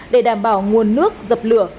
để đảm bảo nguồn nước dập lửa